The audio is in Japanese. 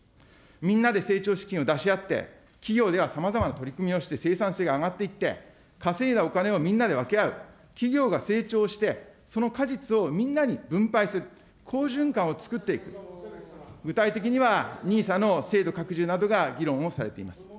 みんなで成長資金を出し合って、企業ではさまざまな取り組みをして、生産性が上がっていって、稼いだお金をみんなで分け合う、企業が成長して、その果実をみんなに分配する、好循環を作っていく、具体的にはＮＩＳＡの制度拡充などが議論をされています。